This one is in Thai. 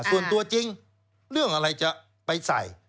ส่วนตัวจริงเรื่องอะไรจะไปใส่